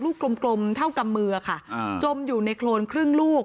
กลมเท่ากำมือค่ะจมอยู่ในโครนครึ่งลูก